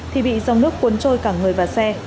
thì bị dòng nước cuốn trôi cả người và xe